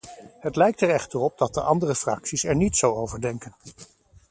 Het lijkt er echter op dat de andere fracties er niet zo over denken.